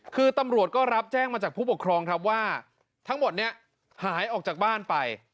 คือตำรวจก็รับแจ้งมาจากผู้ปกครองครับว่าทั้งหมดนี้หายออกจากบ้านไป